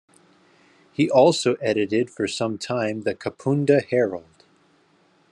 He also edited for some time the "Kapunda Herald".